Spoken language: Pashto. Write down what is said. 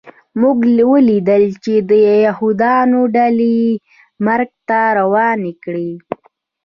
موږ ولیدل چې د یهودانو ډلې یې مرګ ته روانې کړې